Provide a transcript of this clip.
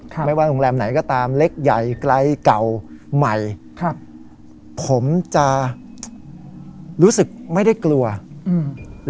ไม่ว่าโรงแรมไหนก็ตามเล็กใหญ่ไกลเก่าใหม่ครับผมจะรู้สึกไม่ได้กลัวอืม